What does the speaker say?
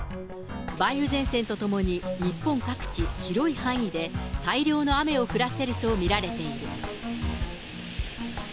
梅雨前線とともに日本各地、広い範囲で大量の雨を降らせると見られている。